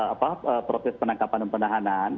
apa proses penangkapan dan penahanan